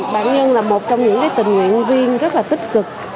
bệnh nhân là một trong những tình nguyện viên rất là tích cực